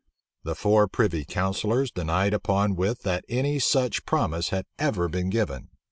The four privy counsellors denied upon with that any such promise had ever been given.